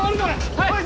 はい！